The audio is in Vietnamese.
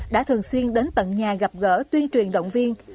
đã thường xuyên đến tận nhà gặp gỡ tuyên truyền động viên